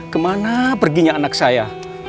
kemana perginya anak saya